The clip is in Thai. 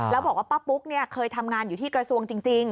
แล้วบอกว่าป้าปุ๊กเคยทำงานอยู่ที่กระทรวงจริง